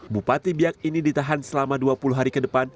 bupati biak ini ditahan selama dua puluh hari ke depan